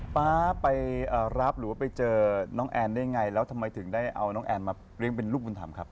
ป๊าไปรับหรือว่าไปเจอน้องแอนได้ไงแล้วทำไมถึงได้เอาน้องแอนมาเลี้ยงเป็นลูกบุญธรรมครับ